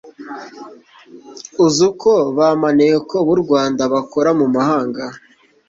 azi uko ba maneko b'u Rwanda bakora mu mahanga.